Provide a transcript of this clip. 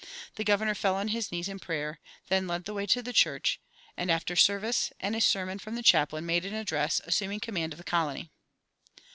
The governor fell on his knees in prayer, then led the way to the church, and, after service and a sermon from the chaplain, made an address, assuming command of the colony.